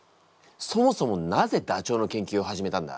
そもそもなぜダチョウの研究を始めたんだ？